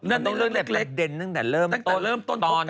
มันต้องเรื่องแต่ประเด็นตั้งแต่เริ่มต้นพบกัน